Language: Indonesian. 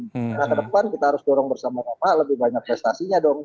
karena ke depan kita harus dorong bersama sama lebih banyak prestasinya dong